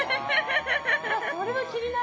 それは気になる。